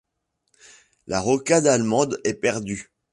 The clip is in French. La rocade allemande est perdue.